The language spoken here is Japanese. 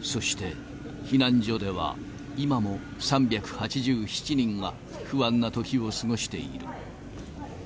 そして、避難所では今も３８７人が不安な時を過ごしている。